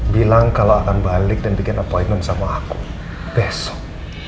bilang kalau akan balik dan bikin appointment sama ahok besok